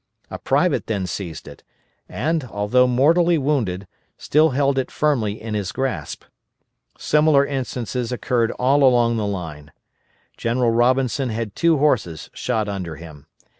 A private then seized it, and, although mortally wounded, still held it firmly in his grasp. Similar instances occurred all along the line. General Robinson had two horses shot under him.